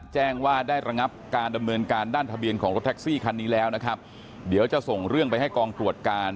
แจ้งว่าได้ระงับการดำเนินการด้านทะเบียนของรถแท็กซี่คันนี้แล้วนะครับเดี๋ยวจะส่งเรื่องไปให้กองตรวจการ